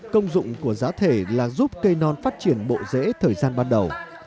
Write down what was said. công dụng của giá thể là giúp cây non phát triển bộ rễ thời gian ban đầu